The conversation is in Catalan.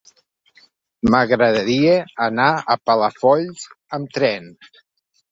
M'agradaria anar a Palafolls amb tren.